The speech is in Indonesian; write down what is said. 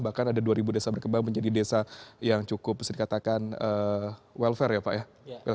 bahkan ada dua desa berkembang menjadi desa yang cukup bisa dikatakan welfare ya pak ya